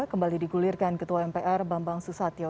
kembali digulirkan ketua mpr bambang susatyo